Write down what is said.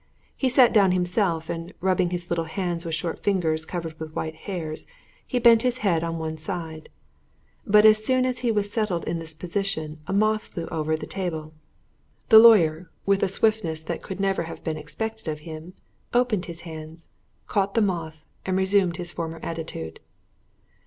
He sat down himself, and, rubbing his little hands with short fingers covered with white hairs, he bent his head on one side. But as soon as he was settled in this position a moth flew over the table. The lawyer, with a swiftness that could never have been expected of him, opened his hands, caught the moth, and resumed his former attitude.